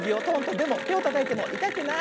でもてをたたいてもいたくない。